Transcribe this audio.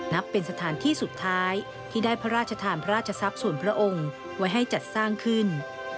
นับเป็นสถานที่สุดท้ายที่ได้พระราชทานพระราชทรัพย์ส่วนพระองค์ไว้ให้จัดสร้างขึ้น